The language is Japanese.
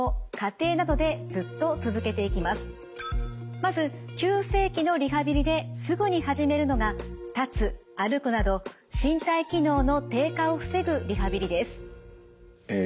まず急性期のリハビリですぐに始めるのが立つ・歩くなど身体機能の低下を防ぐリハビリです。